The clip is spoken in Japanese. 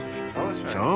そう！